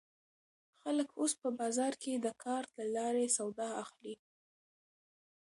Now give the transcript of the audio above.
خلک اوس په بازار کې د کارت له لارې سودا اخلي.